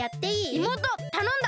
いもうとたのんだ！